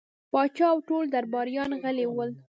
پاچا او ټول درباريان غلي ول.